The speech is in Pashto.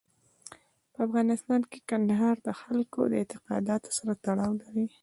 په افغانستان کې کندهار د خلکو له اعتقاداتو سره تړاو لري.